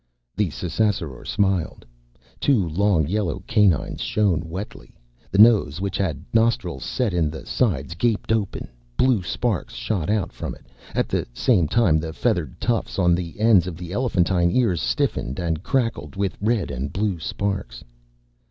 The Ssassaror smiled. Two long yellow canines shone wetly; the nose, which had nostrils set in the sides, gaped open; blue sparks shot out from it; at the same time the feathered tufts on the ends of the elephantine ears stiffened and crackled with red and blue sparks.